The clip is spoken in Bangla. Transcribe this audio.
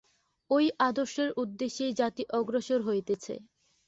ঐ আদর্শের উদ্দেশ্যেই জাতি অগ্রসর হইতেছে।